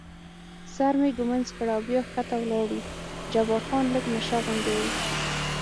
سر مې ږمنځ کړ او بیا کښته ولاړو، جبار خان لږ نشه غوندې و.